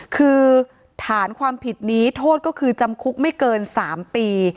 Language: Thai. คือฐานความผิดนี้โทษก็คือจำคุกไม่เกิน๓ปี